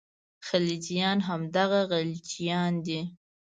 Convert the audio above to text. خلجیان همدغه غلجیان دي.